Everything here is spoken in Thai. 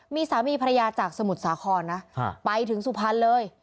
มีสามีภรรยาจากสมุทรสาครนะไปถึงสุพรรณเลย